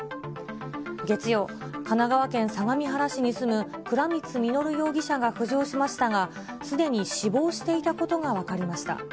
月曜、神奈川県相模原市に住む倉光実容疑者が浮上しましたが、すでに死亡していたことが分かりました。